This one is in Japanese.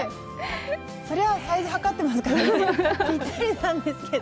そりゃサイズ測ってますからねぴったりなんですけど。